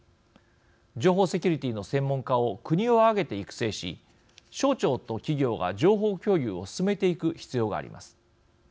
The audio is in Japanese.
情報セキュリティーの専門家を国を挙げて育成し省庁と企業が情報共有を進めていく必要があります。